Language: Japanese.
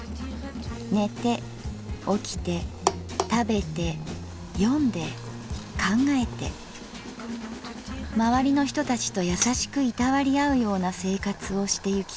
寝て起きて食べて読んで考えてまわりの人たちと優しくいたわり合うような生活をしてゆきたい。